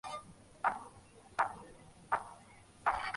ছেলের বে-র বিপক্ষে শিক্ষা দিবে! বালকের বে কোন শাস্ত্রে নাই।